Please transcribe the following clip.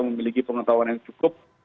memiliki pengetahuan yang cukup